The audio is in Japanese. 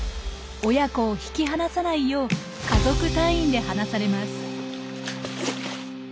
親子を引き離さないよう家族単位で放されます。